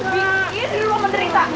bikin dulu menerita